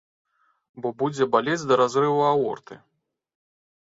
Бо будзе балець да разрыву аорты!